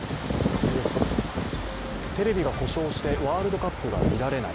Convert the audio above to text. テレビが故障してワールドカップが見られない。